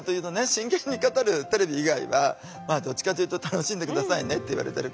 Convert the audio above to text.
真剣に語るテレビ以外はどっちかというと「楽しんで下さいね」って言われてるから。